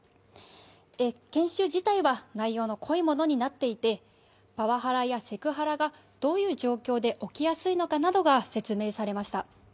研修自体は内容の濃いものになっていてパワハラやセクハラがどういう状況で起きやすいのかなどが説明されました。